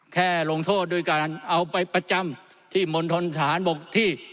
แค่ลงโทษด้วยการเอาไปประจำที่มณฑนฐานบกที่